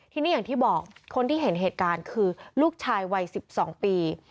ทีนี้อย่างที่บอกคนที่เห็นเหตุการณ์คือลูกชายวัย๑๒ปี